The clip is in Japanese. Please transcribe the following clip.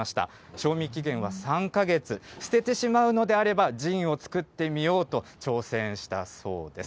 賞味期限は３か月、捨ててしまうのであればジンを造ってみようと挑戦したそうです。